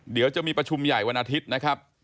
เดี๋ยวจะมีประชุมใหญ่วันอาทิตย์นะครับ